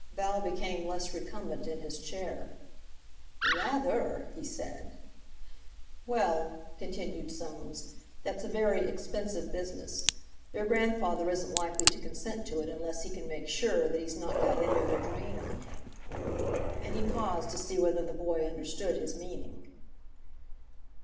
Val became less recumbent in his chair. "Rather!" he said. "Well," continued Soames, "that's a very expensive business. Your grandfather isn't likely to consent to it unless he can make sure that he's not got any other drain on him." And he paused to see whether the boy understood his meaning.